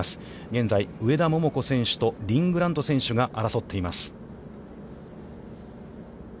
現在上田桃子選手とリン・グラント選手が争っています。